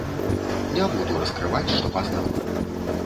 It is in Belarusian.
Не буду раскрываць, што пазнала.